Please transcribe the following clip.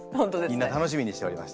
みんな楽しみにしておりました。